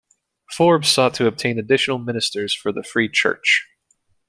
Forbes sought to obtain additional ministers for the Free Church.